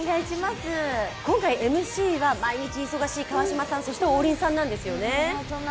今回ＭＣは毎日忙しい川島さん、そして王林さんなんですよね。